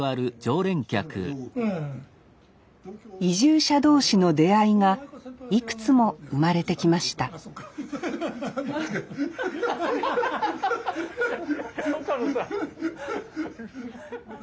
移住者同士の出会いがいくつも生まれてきました岡野さん。